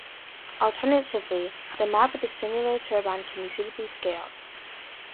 Alternatively, the map of a similar turbine can be suitably scaled.